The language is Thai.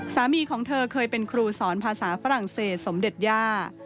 สามีของเธอเคยเป็นครูสอนภาษาฝรั่งเศสสมเด็จย่า